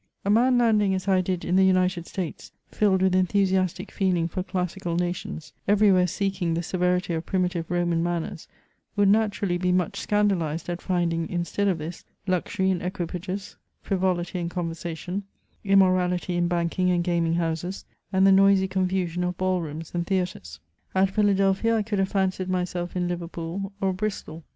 A man landing as I did in the United States, filled with en thusiastic feeling for classical nations, eveiywhere seeking the severity of primitive Roman manners, would naturally be much scandalised at finding, instead of this, luxury in equipages, frivolity in conversation, immorality in banking and gaming houses, and the noisy confusion of ball rooms and theatres. At Philadelphia I could have fancied myself in Liverpool or Bristol.